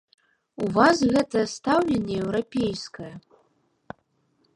У вас гэтае стаўленне еўрапейскае.